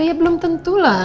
ya belum tentu lah